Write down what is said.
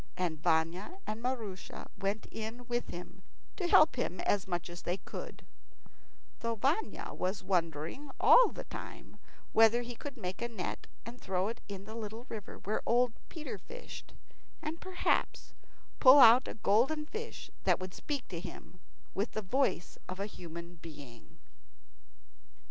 And Vanya and Maroosia went in with him to help him as much as they could; though Vanya was wondering all the time whether he could make a net, and throw it in the little river where old Peter fished, and perhaps pull out a golden fish that would speak to him with the voice of a human being.